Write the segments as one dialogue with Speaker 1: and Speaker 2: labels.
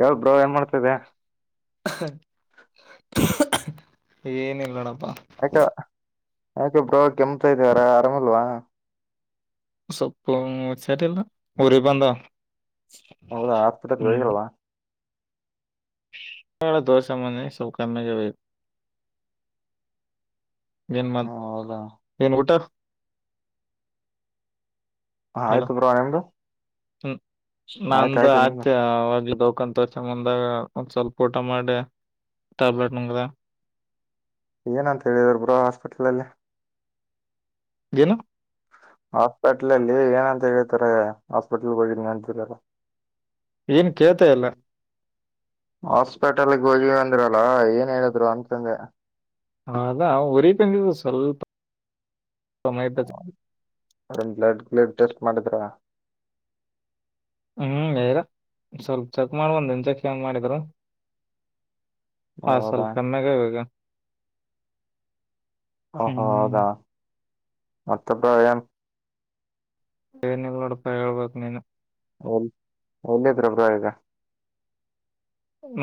Speaker 1: ಹೇಳ್ ಬ್ರೋ ಏನ್ ಮಾಡ್ತಿದ್ದೆ
Speaker 2: ನ ಏನಿಲ್ಲಡ
Speaker 1: ಯಾಕ ಯಾಕೊಬ್ರ ಕೆಮತಾ ಇದವಾರ ಆರಾಮಲ್ವಾ
Speaker 2: ಸ್ಪಚಟಲ್ಲ ಗರಿ ಬಂತ
Speaker 1: ಹೌದಾ ಆಸ್ಪತ್ರೆ ಹೋಗರಲ್ವಾ
Speaker 2: ಳ ದೋಸೆ ಮನ್ನೆ ಸು ಕಮೆಗೆ ಬು ಏನ್ ಮ
Speaker 1: ಹ ಹೌದಾ
Speaker 2: ಏನ್ ಊಟ ಹಲೋ
Speaker 1: ಆಯ್ತು ಬ್ರೋ ನಿಮ್ದು
Speaker 2: ಹ್ಮ
Speaker 1: ಆಯ್ತ
Speaker 2: ನಾನಂತ
Speaker 1: ಆಯ್ತು
Speaker 2: ಆತ
Speaker 1: ನಿಮ್ದು
Speaker 2: ಕಂತ ವರ್ಷ ಮುಂದಾಗ ಒಂದ್ ಸ್ವಲ್ಪ ಊಟ ಮಾಡಿ ಟ್ಯಾಬ್ಲೆಟ್ ನಂಗ್ದ
Speaker 1: ಏನಂತ ಹೇಳಿದ್ರ ಬ್ರಾ ಹಾಸ್ಪಿಟಲ್ ಅಲ್ಲಿ
Speaker 2: ಏನು
Speaker 1: ಹತಟ್ಲೆ ಇಲ್ಲಿ ಏನಂತ ಹೇಳ್ತಾರೆ ಹಾಸ್ಪಿಟ್ಲ್ಗೆ ಹೋಗಿದನ ಅಂತರಲ್ಲ
Speaker 2: ಏನ್ ಕೇಳ್ತಾ ಇಲ್ಲ
Speaker 1: ಹ ಹಸ್ಪೇಟಲ್ಗೆ ಹೋಗಿ ಅಂದರಲ್ಲ ಏನ್ ಹೇಳಿದ್ರು ಅಂತಕಂಗ
Speaker 2: ಹ ಅದ ಉರಿ ತಂದಿದ ಸ್ವಲ್ಪ ಮೈ ಟಚ್
Speaker 1: ಹ ಒಂದು ಬ್ಲಡ್ ಬ್ಲಡ್ ಟೆಸ್ಟ್ ಮಾಡಿದ್ರ
Speaker 2: ಹ್ಮ್ ಹೇಳರ ಸ್ವಲ್ಪ ಚೆಕ್ ಮಾಡ ಒಂದ ಇನ್ ಚೆಕ್ ಹೆಂಗ ಮಾಡಿದರು ಹ ಸಲ್ಲ
Speaker 1: ಹೌದಾ
Speaker 2: ಕನ್ನ ಕ ಬಗ
Speaker 1: ಓಹೋ
Speaker 2: ಹ್ಮ್
Speaker 1: ಹೌದಾ ಮತ್ತಪಾಯ
Speaker 2: [unintelligible]
Speaker 1: ಒ ಒಂದೇಬಗ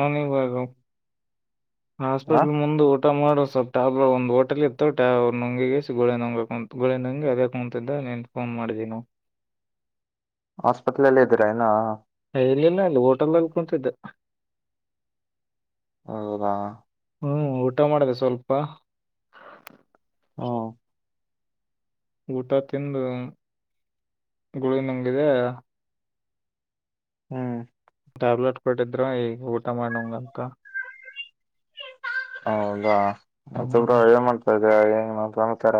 Speaker 2: ನನಾಗ
Speaker 1: ಹ
Speaker 2: ಹಾಸ್ಪಿಟ್ಲ್ ಮುಂದ ಊಟ ಮಾಡ ಸ್ವಲ್ಪ್ ಟಾಬ್ರ್ ಒಂದು ಹೋಟಲ್ ಇತ್ತು ಟರ್ ನಂಗಿಗಿ ಗುಳೆ ನಂಗಬೇಕ ಗೋಳೆ ನಂಗಿ ಅದೇ ಕುಂತಿದ್ದ ಮಾಡಿದನು
Speaker 1: ಹಸ್ಪಿಟಲಾಲ ಇದುರನಾ
Speaker 2: ಇಲಿಲ್ಲ ಅಲ್ಲಿ ಹೋಟೆಲ್ ಅಲ್ಲಿ ಕುಂತತಿದ್ದ
Speaker 1: ಹೌದಾ
Speaker 2: ಹ್ಮ್ ಊಟ ಮಾಡಿದೆ ಸ್ವಲ್ಪ.
Speaker 1: ಹ್ಮ
Speaker 2: ಊಟ ತಿಂದು ಗುಳಿಗೆ ನುಂಗಿದೆ.
Speaker 1: ಹ್ಮ್
Speaker 2: ಟ್ಯಾಬ್ಲೆಟ್ ಕೊಟ್ಟಿದ್ರರು ಈಗ ಊಟ ಮಾಡ ನುಂಗಂತ.
Speaker 1: ಹೌದಾ ಮತ್ತೊ ಬ್ರೋ
Speaker 2: ಹ್ಮ್
Speaker 1: ಏನ್ ಮಾಡ್ತಾ. ಏನ್ ಸಮಾಚಾರ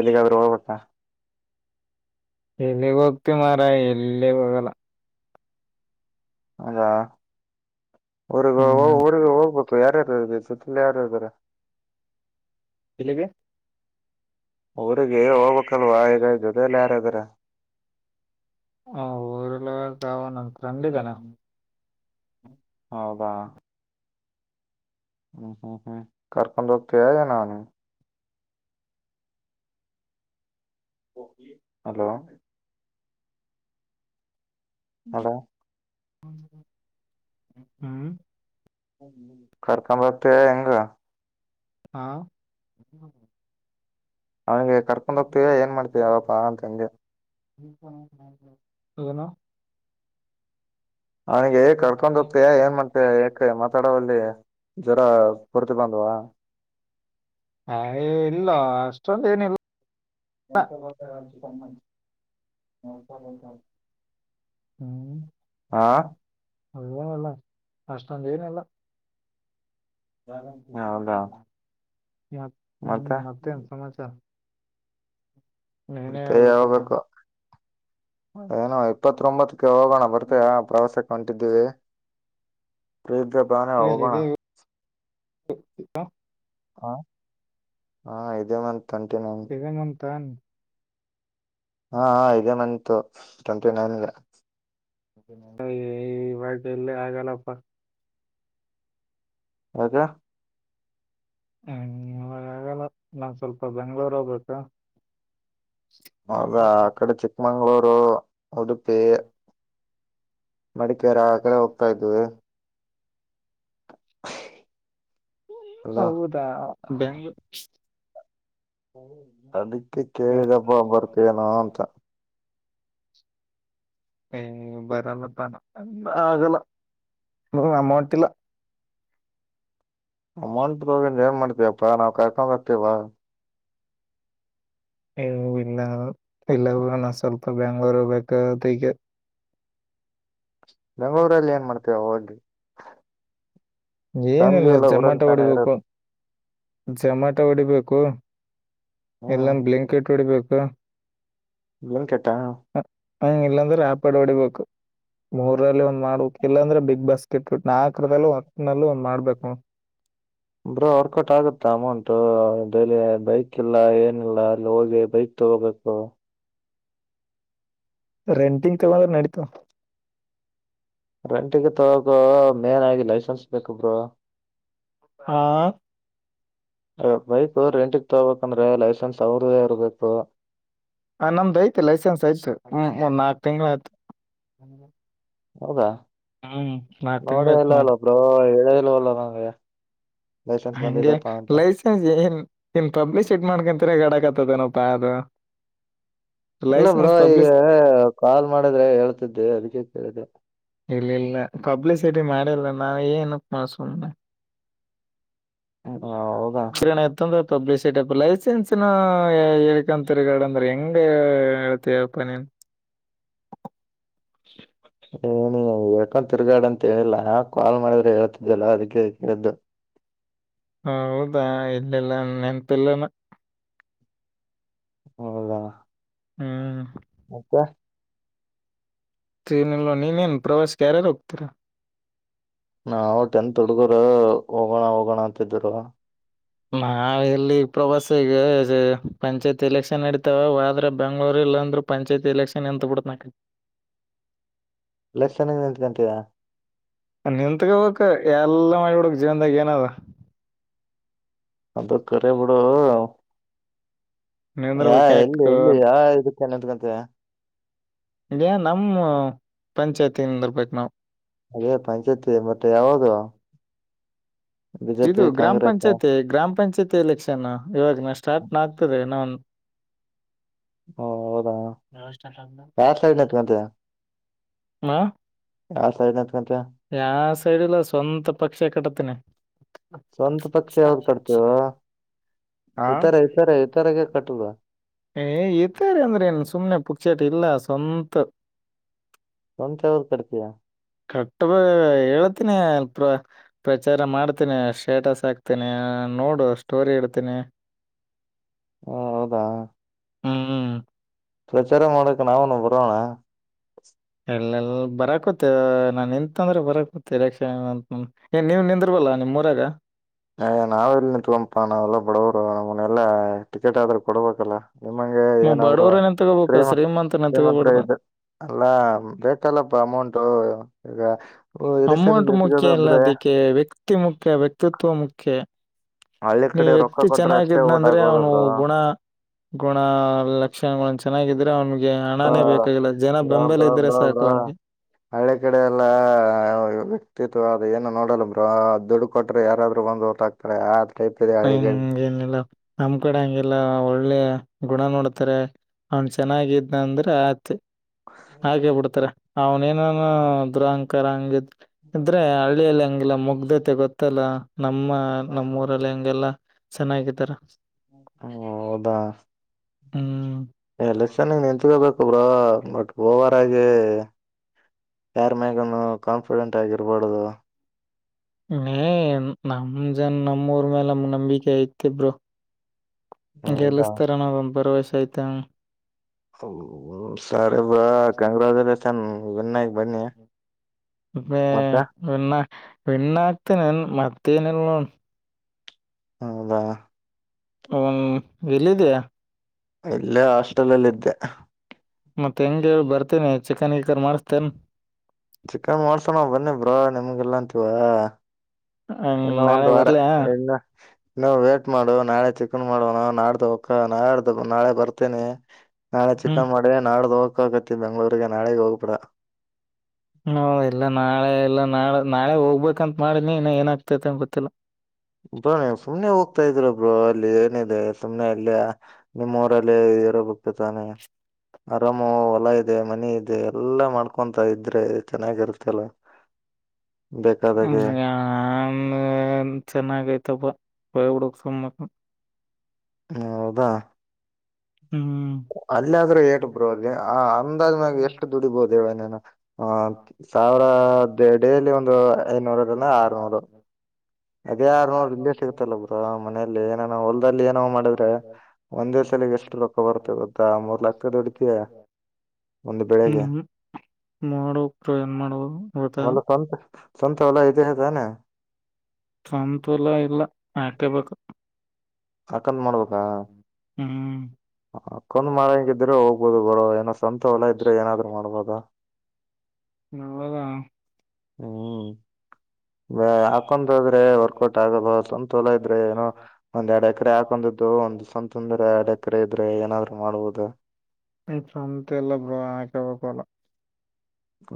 Speaker 1: ಎಲ್ಲಿಗಾದ್ರೂ ಹೋಗುತ್ತಾ.
Speaker 2: ಎಲ್ಲಿಗೆ ಹೋಗ್ತಿ ಮಾರ ಎಲ್ಲಿಗ್ ಹೋಗಲ್ಲ.
Speaker 1: ಹೌದಾ ಊರಿಗೆ
Speaker 2: ಹ್ಮ್
Speaker 1: ಹೋಗು ಊರಿಗೆ ಹೋಗ್ಬೇಕ ಯಾರ ಯಾರ ಇದೀರ ಸುತ್ಲು ಯಾರ್ಯಾರು.
Speaker 2: [inaudible]
Speaker 1: ಊರಿಗೆ ಹೋಗಬೇಕಲ್ವಾ ಜೊತೆಲ್ಲ ಯಾರದಾರ.
Speaker 2: ಊರಿಗೆ [unintelligible] ಫ್ರೆಂಡ್ ಇದಾನೆ.
Speaker 1: ಹೌದಾ ಹ್ಮ ಹ್ಮ್ ಹ್ಮ ಕಾರ್ಕೊಂಡ ಹೋಗ್ ಕೇಳ್ದೇನೋ ಹಲೋ ಹಲೋ
Speaker 2: ಹ್ಮ್ [inaudible]
Speaker 1: ಕರ್ಕ ಬತ್ತೆ ಹೆಂಗ
Speaker 2: ಹಾ
Speaker 1: ಅವ್ನಿಗೆ ಕರ್ಕೊಂಡ ಹೋಗ್ತೀವಿ ಏನ್ ಮಾಡ್ತೀವಿ ಯಾವಪ್ಪ ಅಂತ ಅಂದೆ.
Speaker 2: [inaudible]
Speaker 1: ಅವನಿಗೆ ಏ ಕರ್ಕೊಂಡ ಹೋಗತಯಾ ಏನ್ ಮಾಡತ ಏಕ ಮಾತಾಡೋಲ್ಲಿ. ಜ್ವರ ಪರತ ಬಂದವಾ.
Speaker 2: ಹ ಇಲ್ಲ ಅಷ್ಟೊಂದ ಏನಿಲ್ಲ.
Speaker 1: ಮಂತ ಕಮ್ಮ [inaudible]
Speaker 2: ಹ್ಮ್
Speaker 1: ಹಾ
Speaker 2: [inaudible] ಅಷ್ಟೊಂದ್ ಏನಿಲ್ಲ.
Speaker 1: ಹೌದಾ
Speaker 2: ಮತ್
Speaker 1: ಮತ್ತೆ
Speaker 2: ಮತ್ತೇನ್ ಸಮಾಚಾರ ನೀನೇ ಹೇಳ್ಬೇಕ
Speaker 1: ಹೇಳಬೇಕು ಏನು ಇಪ್ಪತ್ೊಂಬತ್ ಕ್ಕೆ ಹೋಗೋಣ ಬರ್ತಯಾ ಪ್ರವಾಸಕ್ಕೆ ಹೊಂಟಿದ್ದೀವಿ ಪ್ರೀತ ಬಾನ ಹೋಗೋಣ
Speaker 2: [inaudible]
Speaker 1: ಹ ಹಾ ಇದೇ ಮಂತ್ [unintelligible]
Speaker 2: ತನ್
Speaker 1: ಹಾ ಇದೇ ಮಂತು ಟ್ವೆಂಟಿ ನೈನ್
Speaker 2: ಈವಾಗ ಎಲ್ಲ ಆಗಲ್ಲಪ್ಪ
Speaker 1: [unintelligible]
Speaker 2: ಹ್ಮ್ ಇವಾಗಲ್ಲ ನಾನ್ ಸ್ವಲ್ಪ ಬೆಂಗ್ಳೂರ್ ಹೋಗ್ಬೇಕ.
Speaker 1: ಹೌದ ಆ ಕಡೆ ಚಿಕ್ಕಮಂಗ್ಗಳೂರು ಉಡುಪಿ. ಮಡಿಕ್ಯಾರ ಆ ಕಡೆ ಹೋಗ್ತಾ ಇದ್ವಿ. [inaudible] ಎಲ್ಲ
Speaker 2: ಹೌದಾ ಬ್ಯಾಂಗ
Speaker 1: ಅದಕ್ಕೆ ಕೇಳಿದಪ್ಪ ಬರ್ತೇನೋ ಅಂತ.
Speaker 2: ಹ ಬರಲ್ಲ ತಾನ ಆಗಲ್ಲ ಹ ಅಮೌಂಟ್ ಇಲ್ಲ
Speaker 1: ಅಮೌಂಟ್ ತೊಗೊಂಡ ಏನ್ ಮಾಡ್ತೀವಪ್ಪಾ ನಾವು ಕರ್ಕೊಂಡು ಹೋಗ್ತೀವಿ ಬಾ
Speaker 2: ಇಲ್ಲ ಇಲ್ಲಣ ಸ್ವಲ್ಪ ಬೆಂಗಳೂರು ಬೇಕದಕ್ಕೆ.
Speaker 1: ಬೆಂಗಳೂರಲ್ಲಿ ಏನ್ ಮಾಡ್ತೀಯಾ ಹೋಗಿ ಫ್ಯಾಮಿಲಿ
Speaker 2: ಏನಿಲ್ಲ
Speaker 1: ಎಲ್ಲ ಊರಲ್ಲಿ
Speaker 2: ಜಮಾಟೋ
Speaker 1: ತಾನೇ
Speaker 2: ಹೊಡಿಬೇಕು
Speaker 1: ಇರೋದು
Speaker 2: ಜಮಾಟೋ ಹೊಡಿಬೇಕು.
Speaker 1: ಹ್ಮ್
Speaker 2: ಎಲ್ಲಂದ ಬ್ಲಯಾಂಕೆಟ್ ಹೊಡಿಬೇಕು
Speaker 1: ಬ್ಲಿಂಕೆಟ್
Speaker 2: ಹಂಗ ಇಲ್ಲಾಂದ್ರೆ ಆಪೆಡ್ ಹೊಡಿಬೇಕು ಮೂರಲ್ಲಿ ಒಂದ್ ಮಾಡ್ಬೇಕು ಇಲ್ಲಾಂದ್ರೆ ಬಿಗ್ ಬಾಸ್ ಕಟ್ಟ್ ನಾಲ್ಕರಲ್ಲೂ ಹೊತ್ತ ನಲ್ಲೂ ಒಂದ್ ಮಾಡ್ಬೇಕು ಹಾ
Speaker 1: ಬ್ರಾ ವರ್ಕೌಟ್ ಆಗುತ್ತಾ ಅಮೌಂಟ್ ಅಲ್ಲಿ ಬೈಕ್ ಇಲ್ಲ ಏನಿಲ್ಲ ಅಲ್ಲಿ ಹೋಗಿ ಬೈಕ್ ತಗೋಬೇಕು
Speaker 2: ರೆಂಟಿಗ್ ತಗೋ ನಡೆಯುತ್ತೆ
Speaker 1: ರೆಂಟಿಗೆ ತಗಗೋ ಮೇನ್ ಆಗಿ ಲೈಸೆನ್ಸ್ ಬೇಕಬ್ರ
Speaker 2: ಹಾ
Speaker 1: ಬೈಕ್ ರೆಂಟಿಗೆ ತಗಬೇಕಂದ್ರೆ ಲೈಸೆನ್ಸ್ ಅವ್ರದದೇ ಇರ್ಬೇಕು
Speaker 2: ಹ ನಮ್ದು ಐತಿ ಲೈಸೆನ್ಸ್ ಐ್ತು ಹ್ಮ ಒಂದ್ ನಾಕ್ ತಿಂಗಳ ಆಯ್ತು
Speaker 1: ಹೌದಾ ನೋಡ
Speaker 2: ತಿಂಗಳಾಯ್ತು
Speaker 1: ಇಲ್ಲ
Speaker 2: ಮಾಡಿ
Speaker 1: ಅಲ್ಲ ಬ್ರೋ ಹೇಳೇಲ್ವಲ್ಲ ನಂಗೆ ಲೈಸೆನ್ಸ್
Speaker 2: ಹಂಗೆ
Speaker 1: ಬಂದಿದಪ್ಪಾ ಅಂತ
Speaker 2: ಲೈಸೆನ್ಸ್ ಏನ್ ಇನ್ ಪಬ್ಲಿಶಿಟ್ ಮಾಡ್ಕೊಂತರ ಗಡಕತದೇನಪ್ಪಾ ಅದು
Speaker 1: ಅಲ್ಲ ಬ್ರೋ
Speaker 2: ಲೈಸೆನ್ಸ್
Speaker 1: ಈಗ
Speaker 2: ಪಬ್ಲಿಸಿಟಿ
Speaker 1: ಕಾಲ್ ಮಾಡಿದ್ರೆ ಹೇಳ್ತಿದ್ದೆ ಅಭಿಜಿತ್ ಕೇಳಿದೆೆ
Speaker 2: ಇಲ್ಲ ಇಲ್ಲ ಪಬ್ಲಿಸಿಟಿ ಮಾಡಲ್ ನಾವ ಏನ ಸುಮ್ನೆ
Speaker 1: ಹ ಹೌದಾ
Speaker 2: ಕಿರಣ ಇತ್ತ ಅಂದ್ರೆ ಪಬ್ಲಿಷ್ ಐ ಲೈಸೆನ್ಸ್ ನ ಹೇಕಂತರಿ ಗಡ ಅಂದ್ರೆ ಹೆಂಗ ಎಳ್ತೀಪ್ಪ ನೀ
Speaker 1: ಏನಿ ಯಾಕ ತಿರುಗಾಡ ಅಂತ ಹೇಳಿಲ್ಲಾ ಕಾಲ್ ಮಾಡಿದ್ರೆ ಹೇಳ್ತಿದ್ದಲ್ಲ ಅದಕ್ಕೆ ಕೇಳ್ದು
Speaker 2: ಹೌದಾ ಇಲ್ಲಲ್ಲ ನೆಂತೆಲ್ಲನ
Speaker 1: ಹೌದಾ
Speaker 2: ಹ್ಮ್
Speaker 1: ಹಕ್ಕ
Speaker 2: ್ರೆನಲ್ಲ [unintelligible] ನೀ ನನ್ ಪ್ರವಾಸ ಕಾರೆ ರೊಕ್ತರ
Speaker 1: ನಾವು ಟೆಂತ್ ಹುಡ್ಗರು ಹೋಗೋಣ ಹೋಗೋಣ ಅಂತಿದರು
Speaker 2: ನಾ ಎಲ್ಲಿ ಪ್ರವಾಸ ಈಗ ಪಂಚಾಯತಿ ಎಲೆಕ್ಷನ್ ನಡೀತಾವ ಆದದ್ರೆ ಬೆಂಗಳೂರು ಎಲ್ಲ ಅಂದ್ರರು ಪಂಚಾಯತಿ ಎಲೆಕ್ಷನ್ ಎಂತ ಬಿಿಡ್ತ ಮ [unintelligible]
Speaker 1: ಲಲ್ಲರ್ ಚೆನ್ನಾಗಿ ನಿಲ್ಂತಂತಿದಾ [unintelligible]
Speaker 2: ನಿತ್ಗ್ಕ್ ಎಲ್ಲ ಮಾಡಿಬ ಬಿಡಕ್ ಜೀವನ್ದಾಗ ಏನದ
Speaker 1: ಅದು ಕರೆ ಬಿಡು ಯಾ
Speaker 2: ನಿಂದ್ರಬೇಕ್ ಯಾಕ
Speaker 1: ಎಲ್ಲಿ ಎಲ್ಲಿ ಯಾ ಇದಕ್ಕೆ ಏನಂತಕಂತಯ
Speaker 2: ಇದ್ಯಾ ನಮ್ಮ ಪಂಚಾಯತಿಿಂದಿರ್ಬೇಕು ನಾವವು
Speaker 1: ಅದೇ ಪಂಚಾಯತಿ ಮತ್ತೆ ಯಾವಾಗ
Speaker 2: ಇದು ಗ್ರಾಮ
Speaker 1: ಓ
Speaker 2: ಪಂಚಾಯತಿ ಗ್ರಾಮ ಪಂಚಾಯತಿ ಎಲೆಕ್ಷನ್ ಇವಾಗನ ಸ್ಟಾರ್ಟ್ ಆಗ್ತದೆ ಇನ್ನ
Speaker 1: ಹ ಹೌದು ಯಾರ್ ಸೈಡ್ ನಿಂತಕೋತಿ ಯಾರ್ ಸೈಡ್ [unintelligible]
Speaker 2: ಯ ಸೈಡ್ ಇಲ್ಲ ಸ್ವಂತ ಪಕ್ಷ ಕಟ್ಟತೇನಿ
Speaker 1: ಸ್ವಂತ ಪಕ್ಷ ಯಾವ್ದ್ ಕಟ್ತೀಯೋ
Speaker 2: [unintelligible] [unintelligible] [inaudible] ಹಾ
Speaker 1: ಇತರ ಇತರ ಇತರಗೆ ಕಟ್ಟುದ
Speaker 2: ಏ ಇತಾರ ಅಂದ್ರೆ ಏನ್ ಸುಮ್ನೆ ಪುತ್ ಕ [unintelligible] ಸ್ವಂತ
Speaker 1: [unintelligible] ಯಾವಾಗ ಕಟ್ಟತಿಯ
Speaker 2: ಕಟ್ಟಬ ಹೇಳ್ತೀನಿ ಪ್ರ ಪ್ರಚಾರ ಮಾಡ್ತೇನಿ ಸ್ಟೇಟಸ್ ಹಾಕ್ತೀನಿ ನೋಡು ಅಷ್ಟ ಸ್ಟೋರಿ ಇಡ್ತೀನಿ
Speaker 1: ಹೊ ಹೌದಾ
Speaker 2: ಹ್ಮ
Speaker 1: ಪ್ರಚಾರ ಮಾಡಕ್ಕೆ ನಾವು ನು ಬರೋಣ
Speaker 2: ಎಲ್ಲೆ ಬರಕತ್ತಿ ನಾನ್ ನಿಂತಂದ್ರೆ ಬರಕತ್ತಿ ಇಲೆಕ್ಷನ್ ಏ ನೀವ್ ನಿಂದ್ರಲ್ಲ ಹೊರಗ
Speaker 1: ಅಯ ನಾವೆಲ್ಲಿ ನಿತ್ಕೊಲೋನ್ ಪಾ ನಾವೆಲ್ಲ ಬಡವರು ನಮನೆಲ್ಲಾ ಟಿಕೆಟ್ ಆದ್ರೂ ಕೊಡ್ಬೇಕಲ್ಲ ನಿಮ್ಮಂಗೆ
Speaker 2: ನೀವು
Speaker 1: ಏನಾದ್ರು
Speaker 2: ಬಡವ್ರ ನಿಂತ್ಕೋಬೇಕು
Speaker 1: ಕ್ರೀಮ
Speaker 2: ಶ್ರೀಮಂತ
Speaker 1: ನಿಮ್ಮ ಹತ್ರ
Speaker 2: ನಿಂತ್ಕೋಬಾರ್ದು
Speaker 1: ಇದ್ದ ಅಲ್ಲಾ ಬೇಕಲ್ಲಪ್ಪ ಅಮೌಂಟು ಈಗ ಎಲೆಕ್ಷನ್
Speaker 2: ಅಮೌಂಟ್
Speaker 1: ನಿಂತ್ಕದ
Speaker 2: ಮುಖ್ಯ ಎಲ್ಲ
Speaker 1: ಅಂದ್ರೆ
Speaker 2: ಅದಿಕ್ಕೆ ವ್ಯಕ್ತಿ ಮುಖ್ಯ ವ್ಯಕ್ತಿತ್ವ ಮುಖ್ಯ
Speaker 1: ಹಳ್ಳಿ
Speaker 2: ನೀ
Speaker 1: ಕಡೆ ರೊಕ್ಕ
Speaker 2: ವ್ಯಕ್ತಿ
Speaker 1: ಕೊಟ್ರೆ ಅಷ್ಟೇ ಓಟ್
Speaker 2: ಚೆನ್ನಾಗಿದ್ನಂದ್ರೆ
Speaker 1: ಹಾಕೋದು
Speaker 2: ಅವನು
Speaker 1: ಬ್ರೋ
Speaker 2: ಗುಣ ಗುಣ ಲಕ್ಷಣಗಳ ಚೆನ್ನಾಗ
Speaker 1: ಹಾ ರಾಮ್
Speaker 2: ಬೆಂಬಲ
Speaker 1: ರಾಮ
Speaker 2: ಇದ್ರೆ
Speaker 1: ರಾಮ
Speaker 2: ಸಾಕು
Speaker 1: ರಾಮ
Speaker 2: ಅವನ್ಗೆ
Speaker 1: ಹಳ್ಳಿ ಕಡೆ ಎಲ್ಲ ವ್ಯಕ್ತಿತ್ವ ಏನ ನೋಡಲ್ಲ ಬ್ರೋ ದುಡ್ಡು ಕೊಟ್ರೆ ಯಾರಾದ್ರು ಒಂದು ವೋಟ್ ಹಾಕ್ತಾರೆ ಆ ಟೈಪ್ ಇದೆ ಹಳ್ಳಿಗಳ [unintelligible]
Speaker 2: ನಮ್ಮ್ ಕಡೆ ಹಂಗೆಲ್ಲ ಒಳ್ಳೆ ಗುಣ ನೋಡ್ತಾರೆ ಅವ್ನ್ ಚೆನ್ನಾಗಿದ್ನ ಅಂದ್ರೆ ಆಯ್ತು. ಹಾಗೆ ಬಿಡ್ತಾರೆ ಅವನೇನು ದುರಂಕಾರ ಹಂಗಿದ್ ಇದ್ರೆ ಹಳ್ಳಿಯಲ್ಲಿ ಹಂಗಿಲ್ಲ ಮುಗ್ಧತೆ ಗೊತ್ತಲ್ಲ ನಮ್ಮ ನಮ್ಮೂರಲ್ಲಿ ಹಂಗೆಲ್ಲಾ.
Speaker 1: ಹೂ ಹೌದಾ
Speaker 2: ಹ್ಮ್
Speaker 1: ಎಲೆಕ್ಷನ್ಗ್ ನಿಂತಗೋಬೇಕ ಬ್ರೋ ಬಟ್ ಓವರ್ ಆಗಿ ಯಾರ ಮ್ಯಾಗನು ಕಾನ್ಫಿಡೆಂಟ್ ಆಗಿರಬಾರದು.
Speaker 2: ಮೇ ನಮ ಜನ್ ನಮ್ಮ ಊರ್ ಮೇಲೆ ನಮಗ ನಂಬಿಕೆ ಐತಿ ಬ್ರೋ
Speaker 1: ಹೌದಾ
Speaker 2: ಗೆಲ್ಸ್ತಾರ ಅನ್ನೋ ಒಂದ್ ಭರವಸೆ ಐತಿ ಅಣ್ಣ
Speaker 1: ಸರಿ ಬ್ರೋ ಕಂಗ್ರಾಜುಲೇಷನ್ ವಿನ್ ಆಗಿ ಬನ್ನಿ ಮತ್ತೆ
Speaker 2: [unintelligible] ವಿನ್ ವಿನ್ ಆಗ್ತೇನೀ ವಿನ್ ಮತ್ತೇನಿಲ್ಲಿ ನೋಡ್
Speaker 1: ಹೌದಾ
Speaker 2: ಹ ನ ಎಲ್ಲಿದಿಯ
Speaker 1: ಇಲ್ಲೇ ಹಾಸ್ಟೆಲ್ಲ್ಲಿ ಇದ್ದೆ
Speaker 2: ಮತ್ತೆ ಹೆಂಗ ಹೇಳ ಬರ್ತಿ ಏನ್ ಚಿಕನ್ ಗಿಕನ್ ಮಾಡಸ್ತಿಯೇನ್
Speaker 1: ಚಿಕನ್ ಮಾಡ್ಸೋಣ ಬನ್ನಿ ಬ್ರೋ ನಿಮ್ಗ ಇಲ್ಲ ಅಂತೀವ
Speaker 2: ಹ್ಮ್
Speaker 1: ಇನ್ನು ಒಂದು
Speaker 2: ನಾಳೆ
Speaker 1: ವಾರ
Speaker 2: ಬರ್ಲ್ಯಾ
Speaker 1: ಇನ್ನ ಇನ್ನ ವೇಟ್ ಮಾಡು ನಾಳೆ ಚಿಕನ್ ಮಾಡೋಣ ನಾಡ್ದ ಹೊಕ್ಕನ್ [unintelligible] ನಾಡ್ದ ಹೋಗೋಣ ನಾಳೆ ಬರ್ತೇನಿ ನಾಳೆ
Speaker 2: ಹ್ಮ್
Speaker 1: ಚಿಕನ್ ಮಾಡ ನಾಡ್ದ ಹೋಗಕತ್ತಿ ಬೆಂಗಳೂರಿಗೆ ನಾಳೆಗ ಹೋಗಬೇಡಾ
Speaker 2: ಹ್ಮ ಇಲ್ಲ ನಾಳೆ ಎಲ್ಲ ನಾಳೆ ನಾಳೆ ಹೋಗ್ಬೇಕಂತ ಮಾಡಿನಿ ಇನ್ನ ಏನಾಗ್ತೈತಿ ಅಂತ ಗೊತ್ತಿಲ್ಲ.
Speaker 1: ಬ್ರೋ ಸುಮ್ನೆ ಹೋಗ್ತಾ ಇದೀರಾ ಬ್ರೋ ಅಲ್ಲಿ ಏನಿದೆ ಸುಮ್ನೆ ಅಲ್ಲಿ ನಿಮ್ಮೂರಲ್ಲಿ. [unintelligible] ತಾನೆ ಆರಾಮು ಹೊಲ ಇದೆ ಮನೆ ಇದೆ ಎಲ್ಲ ಮಾಡ್ಕೊಂತ ಇದ್ರೆ ಚೆನ್ನಾಗಿರುತ್ತಲ್ಲ. [inaudible]
Speaker 2: ಹ ನ್
Speaker 1: ಬೇಕಾದಾಗೆ
Speaker 2: [unintelligible] ಚೆನ್ನಾಗ ಐತಪ್ಪ ಹೋಬಿಡು ಸುಮ್ ಮಕ್ಕೊ [unintelligible]
Speaker 1: ಹ ಹೌದಾ
Speaker 2: ಹ್ಮ
Speaker 1: ರೆ ಏಟ ಬ್ರೋ ಅಲ್ಲಿ ಅಂದಾಜ್ ಮ್ಯಾಗ್ ಎಷ್ಟು ದುಡಿಬಹುದುನು
Speaker 2: ಹ್ಮ್
Speaker 1: ಸಾವಿರ ಮ ಡೇಲಿ ಒಂದು ಐನ ನೂರು ಅಂದ ಆರ್ ನೂರ್ ಅದೇ ಆರ್ ನೂರ್ ಸಿಗುತ್ತಲ್ಲ ಬ್ರೋ ಮನೇೆಯಲ್ಲಿ ಏನನ ಹೊಲ್ದಲ್ಲಿ ಏನೋ ಮಾಡಿದ್ರೆ ಒಂದೇ ಸಲಗ್ ಎಷ್ಟು ರೊಕ್ಕ ಬರ್ತ ಗೊತ್ತಾ ಮೂರ್ ಲಕ್ಕ ದುಡಿತಿಯಾ ಒಂದು ಬೆಳಿಗ್ಗೆ
Speaker 2: ಮಾಡಬೇಕ್ರ ಏನ್ ಮಾಡೋದು ಇವತ್ತ
Speaker 1: ಒಂದ್ ಸ್ವಂತ್ ಸ್ವಂತ ಹೊಲ ಇದೇಇದೆನಾ
Speaker 2: ಸ್ವಂತ ಹೊಲ ಇಲ್ಲ ಆಕೆಬೇಕು
Speaker 1: ಹಾಕಂತ ಮಾಡ್ಬೇಕಾ
Speaker 2: ಹಾ
Speaker 1: ಹಕ್ಕೊಂಡ್ ಮಾರಂಗಿದ್ರೆ ಹೋಗ್ಬೋದು ಬ್ರೋ ಏನೋ ಸ್ವಂತ ಹೊಲ ಇದ್ರೆ ಏನಾದ್ರು ಮಾಡ್ಬೋದ.
Speaker 2: ನವದ
Speaker 1: ಹ್ಮ್ ಹಾಕೊಂಡದ್ರೆ ವರ್ಕೌಟ್ ಆಗಲ್ಲ ಸವಂತೋಲ ಇದ್ರೆ ಏನೋ ಒಂದ್ ಎರಡ್ ಎಕರೆ ಹಾಕೊಂಡ್ದು ಒಂದು ಸ್ವಂತ ತಂದ್ರೆ ಎರಡ್ ಎಕರೆ ಇದ್ರೆ ಏನಾದ್ರು ಮಾಡ್ಬಹುದು.
Speaker 2: ಇಫ ಅಂತ ಎಲ್ಲ ಬ್ರೋ ಆಕಬೇಕ ಹೊಲ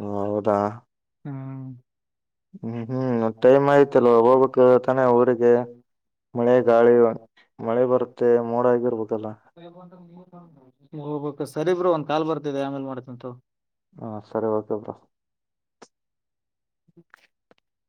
Speaker 1: ಓ ಹೌದಾ. ಹ್ಮ್ ಹ್ಮ್ ಟೈಮ್ ಆಯ್ತಲ್ವ ಹೋಗ್ಬೇಕ್ ತಾನೇ ಊರಿಗೆ. ಮಳೆ
Speaker 2: ನೀವೇ
Speaker 1: ಗಾಳಿ
Speaker 2: ಮಾಡ್ರಲಾ
Speaker 1: ಮಳೆ ಬರುತ್ತೆ ಮೋಡ ಆಗಿರ್ಬೇಕಲ್ಲ
Speaker 2: [unintelligible] ಹೋಗ್ಬೇಕ ಸರಿ ಬ್ರೋ ಒಂದ ಕಾಲ್ ಬರ್ತಿದೆ ಆಮ್ಯಾಲ ಮಾಡ್ತೀನಿತೋ.
Speaker 1: ಹಾ ಸರಿ ಓಕೆ ಬ್ರೋ.
Speaker 2: ಹ್